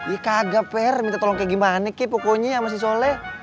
iya kagak per minta tolong kayak gimana ke pokoknya sama si soleh